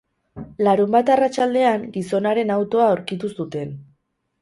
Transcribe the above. Larunbat arratsaldean, gizonaren autoa aurkitu zuten.